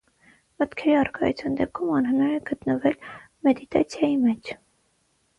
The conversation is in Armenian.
Մտքերի առկայության դեպքում անհնար է գտնվել մեդիտացիայի մեջ։